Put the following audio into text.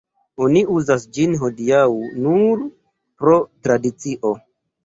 Oni uzas ĝin hodiaŭ nur pro tradicio.